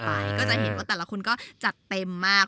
ก็จะเห็นว่าแต่ละคนก็จัดเต็มมาก